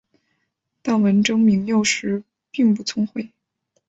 但文征明幼时并不聪慧。